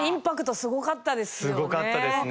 すごかったですね。